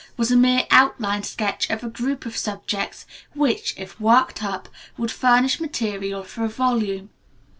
was a mere outline sketch of a group of subjects, which, if worked up, would furnish material for a volume.